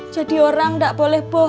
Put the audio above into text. jadi orang gak boleh bohong